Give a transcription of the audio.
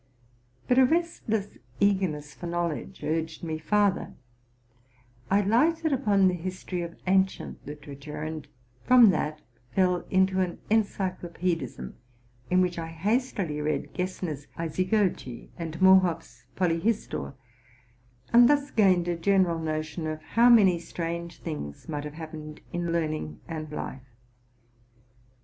But a restless eager ness for knowledge urged me farther: I lighted upon the his tory of ancient literature, and from that fell into an encyclo peedism, in which I hastily read Gessner's '+ Isagoge'' and Morhoy's '* Polyhistor,'' and thus gained a general notion of how many strange things might have happened in learn ing and life.